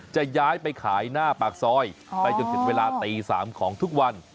จะย้ายไปขายหน้าปากซอยไปจนถึงเวลาตี๓ของทุกวัน